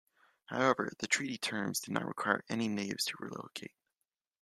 However, the treaty's terms did not require any natives to relocate.